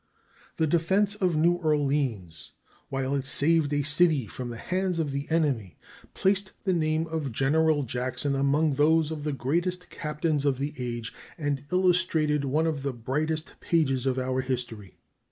The defense of New Orleans, while it saved a city from the hands of the enemy, placed the name of General Jackson among those of the greatest captains of the age and illustrated one of the brightest pages of our history.